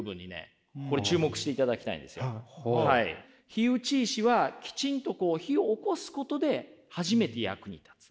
火打ち石はきちんとこう火をおこすことで初めて役に立つ。